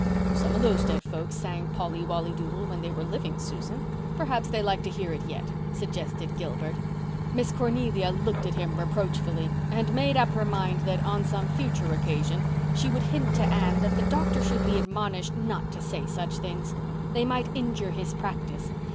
"Some of those dead folks sang Polly Wolly Doodle when they were living, Susan. Perhaps they like to hear it yet," suggested Gilbert. Miss Cornelia looked at him reproachfully and made up her mind that, on some future occasion, she would hint to Anne that the doctor should be admonished not to say such things. They might injure his practice.